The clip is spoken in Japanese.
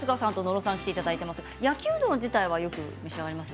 焼きうどん自体はよく召し上がります？